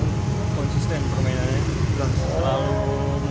biasa aja sih menang kali itu sudah biasa